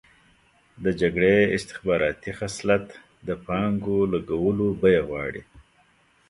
د جګړې استخباراتي خصلت د پانګو لګولو بیه غواړي.